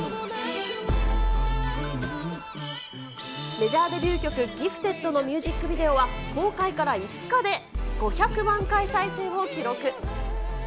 メジャーデビュー曲、ギフテッドのミュージックビデオは、公開から５日で５００万回再生を記録。